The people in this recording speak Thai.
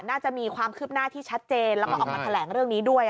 น่าจะมีความคืบหน้าที่ชัดเจนแล้วก็ออกมาแถลงเรื่องนี้ด้วย